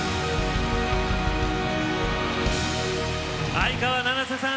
相川七瀬さん